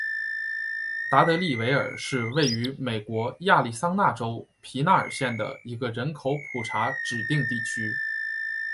达德利维尔是位于美国亚利桑那州皮纳尔县的一个人口普查指定地区。